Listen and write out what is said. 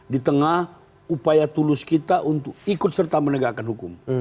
di tengah upaya tulus kita untuk ikut serta menegakkan hukum